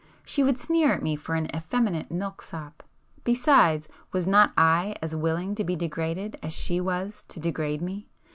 She would sneer at me for an effeminate milksop. Besides, was not I as willing to be degraded as she was to degrade me?